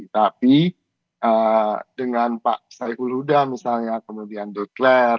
tapi dengan pak saiful huda misalnya kemudian declare